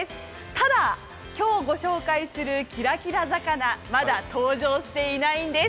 ただ、今日ご紹介するキラキラ魚、まだ登場していないんです。